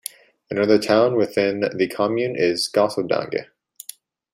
Another town within the commune is Gosseldange.